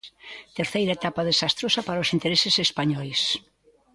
Terceira etapa desastrosa para os intereses españois.